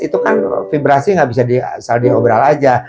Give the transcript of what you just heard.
itu kan vibrasi nggak bisa di obrol aja